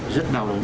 rất đau đớn